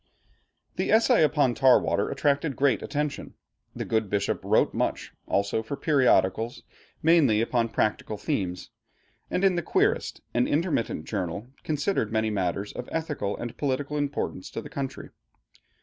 The essay upon Tar water attracted great attention. The good bishop wrote much also for periodicals, mainly upon practical themes; and in The Querist, an intermittent journal, considered many matters of ethical and political importance to the country.